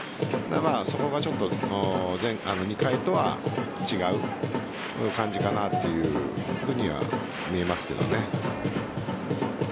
そこがちょっと２回とは違う感じかなというふうに見えますけどね。